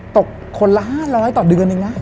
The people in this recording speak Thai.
ตกคนละ๕๐๐ต่อเดือนเองนะ